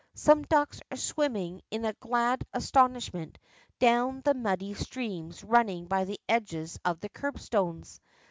Some ducks are swimming in a glad astonishment down the muddy streams running by the edges of the curbstones.